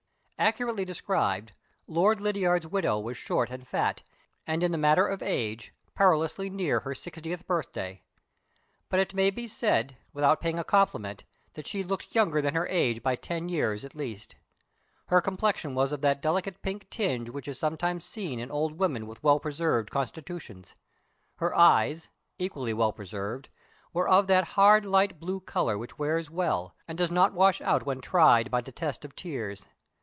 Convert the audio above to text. Accurately described, Lord Lydiard's widow was short and fat, and, in the matter of age, perilously near her sixtieth birthday. But it may be said, without paying a compliment, that she looked younger than her age by ten years at least. Her complexion was of that delicate pink tinge which is sometimes seen in old women with well preserved constitutions. Her eyes (equally well preserved) were of that hard light blue color which wears well, and does not wash out when tried by the test of tears.